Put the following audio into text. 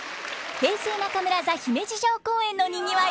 平成中村座姫路城公演のにぎわいを再び！